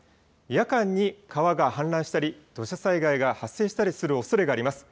夜間に川が氾濫したり土砂災害が発生したりするおそれがあります。